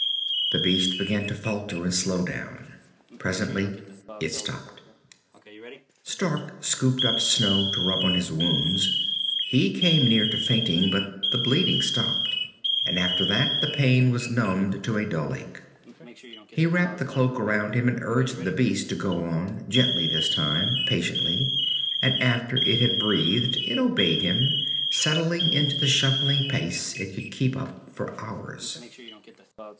The beast began to falter and slow down. Presently it stopped. Stark scooped up snow to rub on his wounds. He came near to fainting, but the bleeding stopped and after that the pain was numbed to a dull ache. He wrapped the cloak around him and urged the beast to go on, gently this time, patiently, and after it had breathed it obeyed him, settling into the shuffling pace it could keep up for hours.